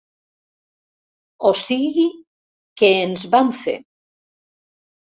O sigui que ens vam fer.